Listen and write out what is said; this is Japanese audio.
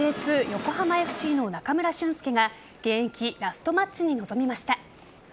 横浜ＦＣの中村俊輔が現役ラストマッチに臨みました。